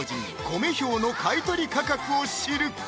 コメ兵の買取価格を知る！